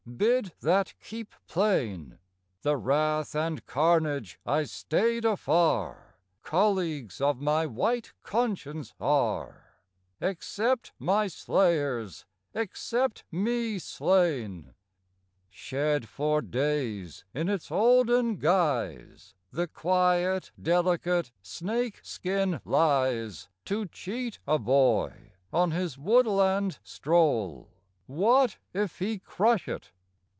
bid that keep plain; The wrath and carnage I stayed afar Colleagues of my white conscience are: Accept my slayers, accept me slain! Shed for days, in its olden guise The quiet delicate snake skin lies To cheat a boy on his woodland stroll: What if he crush it?